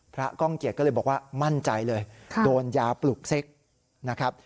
ก้องเกียจก็เลยบอกว่ามั่นใจเลยโดนยาปลุกเซ็กนะครับ